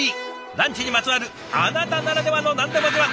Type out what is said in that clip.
ランチにまつわるあなたならではの何でも自慢。